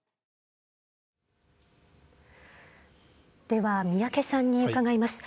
では宮家さんに伺います。